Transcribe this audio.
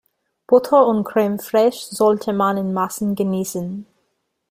Butter und Creme fraiche sollte man in Maßen genießen.